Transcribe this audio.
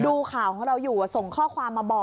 ดูข่าวของเราอยู่ส่งข้อความมาบอก